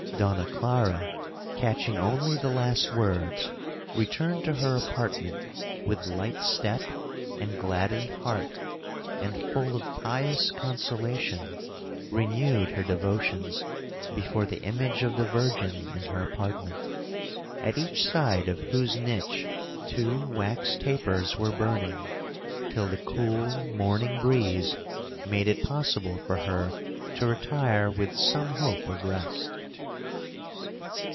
'Donna Clara, catching only the last words, returned to her apartment with light step and gladdened heart, and, full of pious consolation, renewed her devotions before the image of the virgin in her apartment, at each side of whose niche two wax tapers were burning, till the cool morning breeze made it possible for her to retire with some hope of rest.